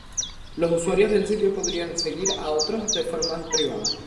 Los usuarios del sitio podrían seguir a otros de forma privada.